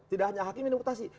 tidak hanya hakim ini yang utasi